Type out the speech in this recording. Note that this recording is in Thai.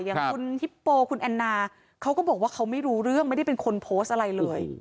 อย่างคุณฮิปโปคุณแอนนาเขาก็บอกว่าเขาไม่รู้เรื่องไม่ได้เป็นคนโพสต์อะไรเลย